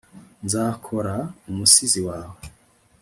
nzakora umusizi wawe